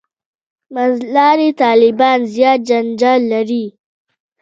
«منځلاري طالبان» زیات جنجال لري.